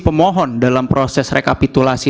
pemohon dalam proses rekapitulasi